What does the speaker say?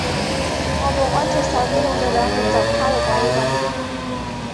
我部安卓手機用咗兩年就卡到鬼噉